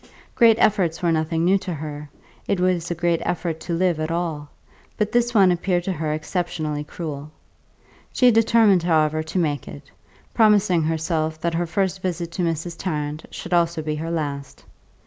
Great efforts were nothing new to her it was a great effort to live at all but this one appeared to her exceptionally cruel. She determined, however, to make it, promising herself that her first visit to Mrs. Tarrant should also be her last.